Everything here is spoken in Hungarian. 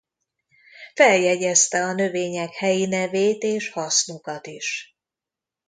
Feljegyezte a növények helyi nevét és hasznukat is.